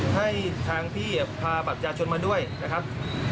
ให้ทางพี่พาบัตรประชาชนมาด้วยนะครับ